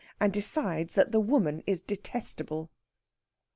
and decides that the woman is detestable.